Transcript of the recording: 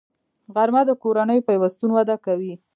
غرمه د کورنیو پیوستون وده کوي